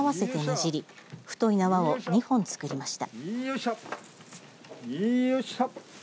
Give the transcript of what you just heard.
じり太い縄を２本作りました。